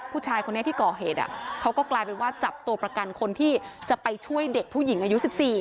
ผู้ชายคนนี้ที่ก่อเหตุเขาก็กลายเป็นว่าจับตัวประกันคนที่จะไปช่วยเด็กผู้หญิงอายุ๑๔